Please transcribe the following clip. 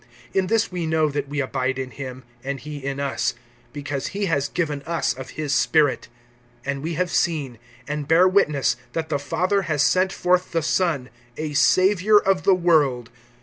(13)In this we know that we abide in him, and he in us, because he has given us of his Spirit. (14)And we have seen, and bear witness, that the Father has sent forth the Son, a Savior of the world.